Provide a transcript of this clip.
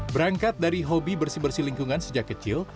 berangkat dari hobi bersih bersih lingkungan sejak kecil